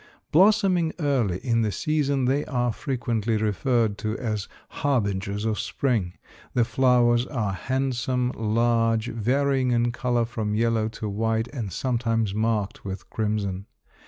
Blossoming early in the season they are frequently referred to as "harbingers of spring." The flowers are handsome, large, varying in color from yellow to white and sometimes marked with crimson.